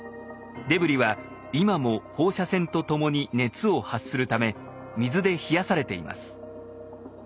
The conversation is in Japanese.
デブリは今も放射線とともに熱を発するため水で冷やされています。